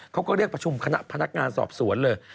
เขาก็เรียกประชุมคณะพนักงานสอบสวนเลย